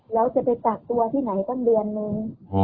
แล้วจะไปกักตัวที่ไหนตั้งเดือนนึง